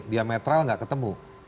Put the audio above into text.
diametral gak ketemu